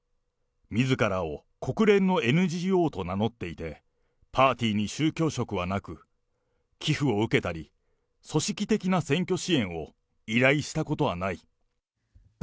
みずからを国連のＮＧＯと名乗っていて、パーティーに宗教色はなく、寄付を受けたり、組織的な選挙支援を依頼したことはない。